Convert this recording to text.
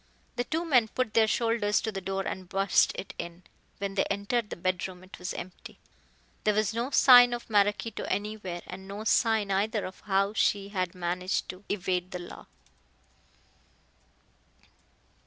The two men put their shoulders to the door and burst it in. When they entered the bedroom it was empty. There was no sign of Maraquito anywhere, and no sign, either, of how she had managed to evade the law.